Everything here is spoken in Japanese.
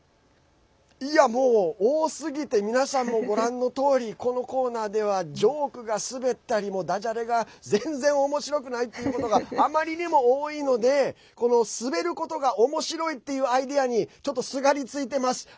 多すぎて皆さんもご覧のとおりこのコーナーではジョークがスベったりだじゃれが全然おもしろくないっていうことがあまりにも多いのでスベることがおもしろいっていうアイデアにすがり付いています。